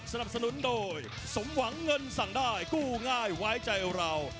สนับสนุนโดยสมหวังเงินสั่งได้กู้ง่ายไว้ใจเรา